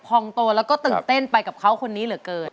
พองโตแล้วก็ตื่นเต้นไปกับเขาคนนี้เหลือเกิน